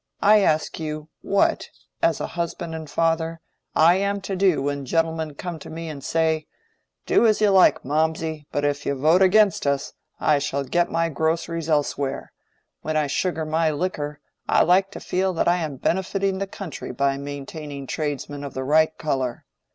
I ask you what, as a husband and a father, I am to do when gentlemen come to me and say, 'Do as you like, Mawmsey; but if you vote against us, I shall get my groceries elsewhere: when I sugar my liquor I like to feel that I am benefiting the country by maintaining tradesmen of the right color.